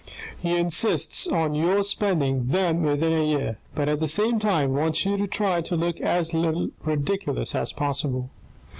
He insists on your spending them within a year, but at the same time wants you to try to look as little ridiculous as possible."